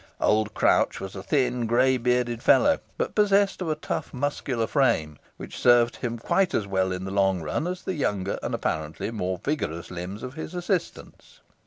Old Crouch was a thin, grey bearded fellow, but possessed of a tough, muscular frame, which served him quite as well in the long run as the younger, and apparently more vigorous, limbs of his assistants.